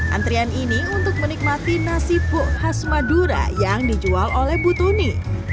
antrian ini untuk menikmati nasi buk khas madura yang dijual oleh bu tuni